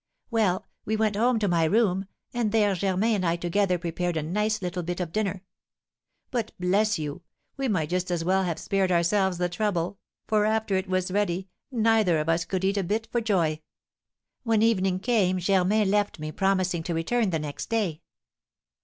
Well, we went home to my room, and there Germain and I together prepared a nice little bit of dinner; but, bless you! we might just as well have spared ourselves the trouble, for, after it was ready, neither of us could eat a bit for joy. When evening came Germain left me, promising to return the next day.